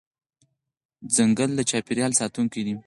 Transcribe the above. ځنګل د چاپېریال ساتونکی دی.